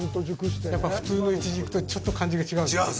やっぱり普通のイチジクとちょっと感じが違うでしょう？